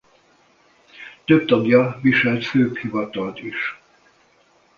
Több tagja viselt főbb hivatalt is.